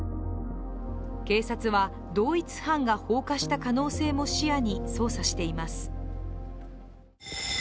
警察は同一犯が放火した可能性も視野に捜査しています。